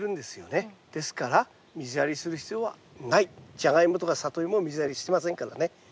ジャガイモとかサトイモも水やりしてませんからね。